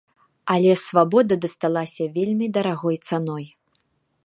Але свабода дасталася вельмі дарагой цаной.